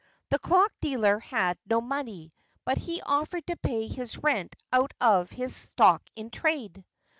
The clock dealer had no money, but he offered to pay his rent out of his stock in trade.